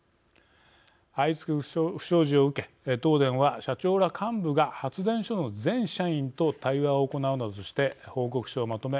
相次ぐ不祥事を受け東電は社長ら幹部が発電所の全社員と対話を行うなどして報告書をまとめ